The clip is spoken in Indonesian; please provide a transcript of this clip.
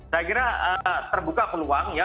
saya kira terbuka peluang ya